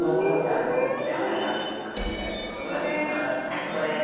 はいそこです。